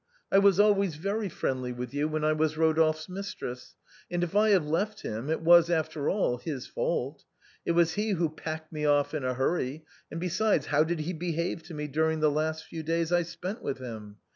I was always very friendly with you when I was Eodolphe's mistress, and if I have left him, it was, after all, his fault. It was he who packed me off in a hurry, and, besides, how did he behave to me during the last few days I spent with him?